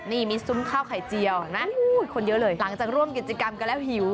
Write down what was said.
นี่มีซุ่มข้าวไขเจียวผู้หญิงหลังจากร่วมกิจกรรมก็แล้วหิว